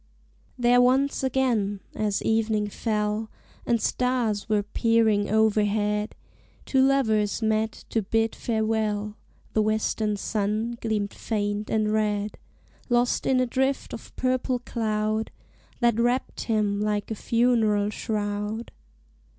There once again, as evening fell And stars were peering overhead, Two lovers met to bid farewell: The western sun gleamed faint and red, Lost in a drift of purple cloud That wrapped him like a funeral shroud.